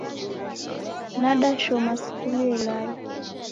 Nadashoma skulu yelala